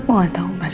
aku gak tahu mas